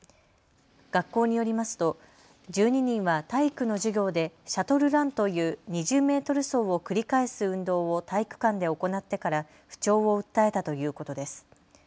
学校によりますと１２人は体育の授業でシャトルランという２０メートル走を繰り返す運動を体育館で行ってから不調を訴えたということです。